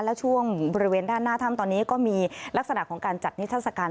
แล้วช่วงบริเวณด้านหน้าถ้ำตอนนี้ก็มีลักษณะของการจัดนิทัศกาล